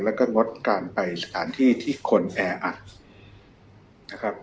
และมดการไปสถานที่ที่คนแออัด